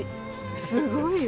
すごいよ。